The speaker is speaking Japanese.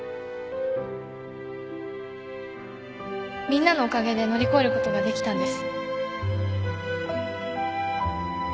みんなのおかげで乗り越えることができたんです。